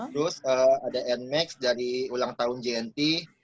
terus ada nmax dari ulang tahun jnt